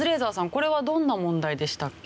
これはどんな問題でしたっけ？